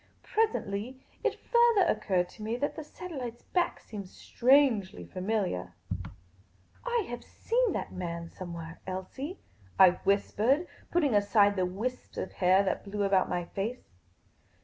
Presently it further occurred to me that the satellite's back seemed strangel} familiar. " I have seen that man some The Pca Grccn Patrician 2 1 1 where, Elsie," I whispered, putting aside the wisps of hair that blew about my face.